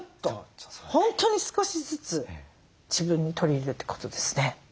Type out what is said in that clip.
本当に少しずつ自分に取り入れるってことですね。